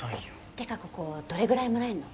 てかここどれぐらいもらえるの？